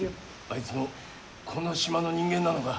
あいつもこの島の人間なのか？